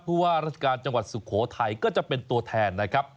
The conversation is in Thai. ว่าราชการจังหวัดสุโขทัยก็จะเป็นตัวแทนนะครับ